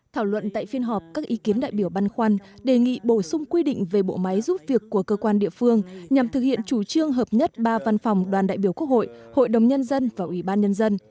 thảo luận tại phiên họp các ý kiến đại biểu băn khoăn đề nghị bổ sung quy định về bộ máy giúp việc của cơ quan địa phương nhằm thực hiện chủ trương hợp nhất ba văn phòng đoàn đại biểu quốc hội hội đồng nhân dân và ủy ban nhân dân